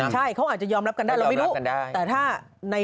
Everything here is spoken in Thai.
ใช่เขาอาจจะยอมรับกันได้เราไม่รู้เรารอบรับกันได้